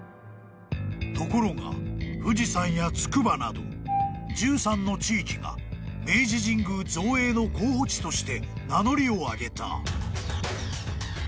［ところが富士山や筑波など１３の地域が明治神宮造営の候補地として名乗りを上げた］